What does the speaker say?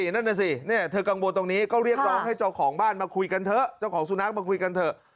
นั่นน่ะสิเธอกังวลตรงนี้ก็เรียกร้องให้เจ้าของบ้านมาคุยกันเถอะเจ้าของสุนัขมาคุยกันเถอะ